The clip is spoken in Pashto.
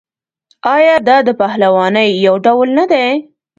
آیا دا د پهلوانۍ یو ډول نه دی؟